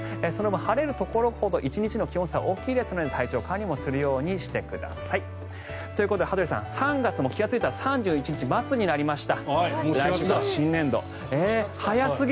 晴れるところほど１日の気温差が大きいですので体調管理もするようにしてください。ということで羽鳥さん、３月も気がついたら３１日末になりました。